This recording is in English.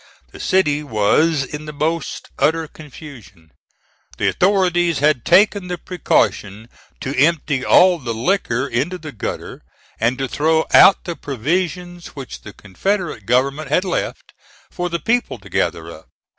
The city was in the most utter confusion. The authorities had taken the precaution to empty all the liquor into the gutter, and to throw out the provisions which the Confederate government had left, for the people to gather up.